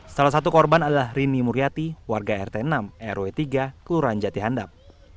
salah satu korban adalah rini muriati warga rt enam rw tiga kelurahan jati handap